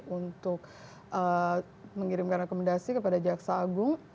untuk mengirimkan rekomendasi kepada jaksa agung